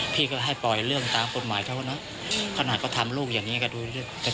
พี่ก็ให้ปล่อยเรื่องตามกฎหมายเขานะอืมขนาดก็ทำลูกอย่างเงี้ยก็ดูเรื่อยเรื่อย